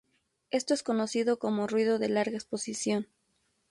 Esto es conocido como ruido de larga exposición.